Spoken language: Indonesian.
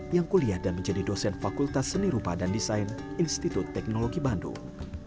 yang kuliah dan menjadi dosen fakultas seni rupa dan desain institut teknologi bandung